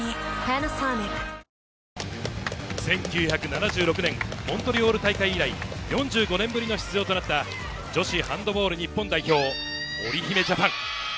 １９７６年、モントリオール大会以来、４５年ぶりの出場となった女子ハンドボール日本代表・おりひめＪＡＰＡＮ。